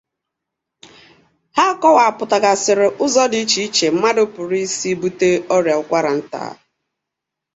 Ha kọwapụtagasịrị ụzọ dị iche iche mmadụ pụrụ isi bute ọrịa ụkwaranta